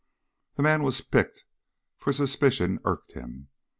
The man was piqued, for suspicion irked him.